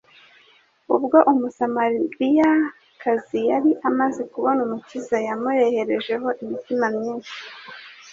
Ubwo Umusamaliyakazi yari amaze kubona Umukiza, yamureherejeho imitima myinshi.